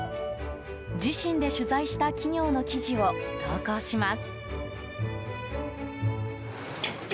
自身で取材した企業の記事を投稿します。